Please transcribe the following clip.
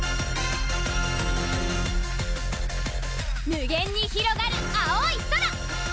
無限にひろがる青い空！